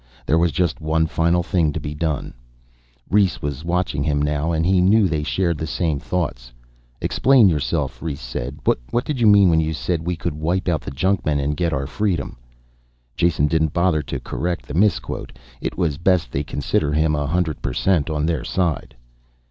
There was just one final thing to be done. Rhes was watching him now, and he knew they shared the same thoughts. "Explain yourself," Rhes said. "What did you mean when you said we could wipe out the junkmen and get our freedom?" Jason didn't bother to correct the misquote, it was best they consider him a hundred per cent on their side.